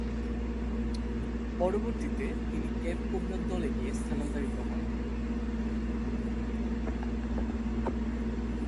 পরবর্তীতে তিনি কেপ কোবরার দলে গিয়ে স্থানান্তরিত হন।